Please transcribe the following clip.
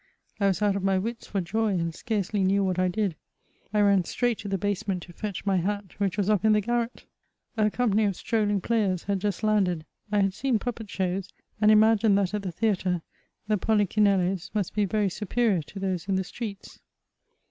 I was out of my wits for joy, and scarcely knew what I did. I ran straight to the basement to fetch my hat, which was up in the garret. A company of strolling players had just landed. I had seen puppet shows, and imagined that at the theatre the polichi nellos must be very superior to those in the streets.